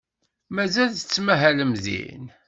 Mazal tettmahalem din?